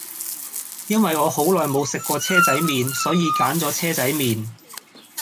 因為我好耐無食過車仔麵,所以揀左車仔麵